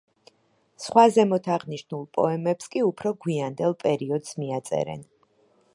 სხვა ზემოთ აღნიშნულ პოემებს კი უფრო გვიანდელ პერიოდს მიაწერენ.